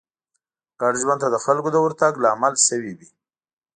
ګډ ژوند ته د خلکو د ورتګ لامل شوې وي